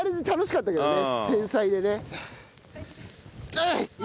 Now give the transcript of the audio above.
はい！